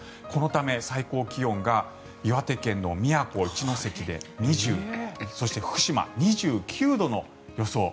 このため最高気温が岩手県の宮古、一関で２０度そして、福島、２９度の予想